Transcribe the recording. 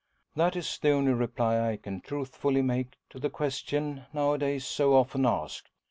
That is the only reply I can truthfully make to the question now a days so often asked.